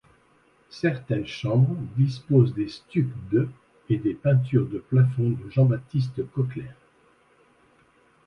Certaines chambres disposent des stucs de et des peintures de plafond de Jean-Baptiste Coclers.